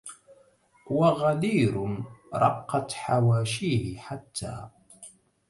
وغدير رقت حواشيه حتى